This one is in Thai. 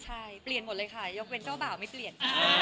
ใช่เปลี่ยนหมดเลยค่ะยกเว้นเจ้าบ่าวไม่เปลี่ยน